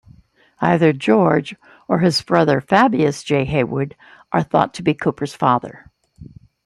Either George or his brother Fabius J. Haywood are thought to be Cooper's father.